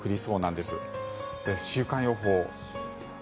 では、週間予報。